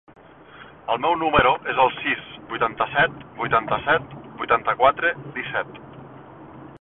El meu número es el sis, vuitanta-set, vuitanta-set, vuitanta-quatre, disset.